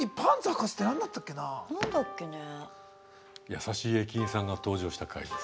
優しい駅員さんが登場した回です。